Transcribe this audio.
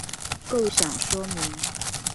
構想說明